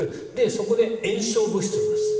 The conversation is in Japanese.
そこで炎症物質を出す。